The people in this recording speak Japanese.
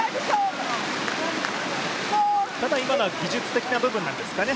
ただ今のは技術的な部分なんですかね。